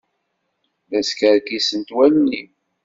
La skerkisent wallen-im.